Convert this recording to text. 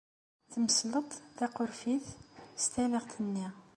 Temselt-d taqerfit s talaɣt-nni.